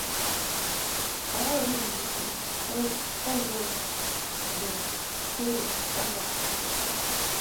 aoroni mosna kawuokb e skul Vanga kae,